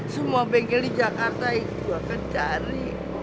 semua bengkel di jakarta itu akan cari